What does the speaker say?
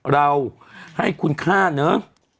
เราให้คุณค่าเนอะ